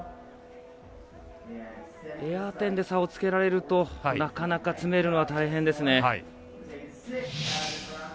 エア点で差をつけられるとなかなか、詰めるのは大変ですね。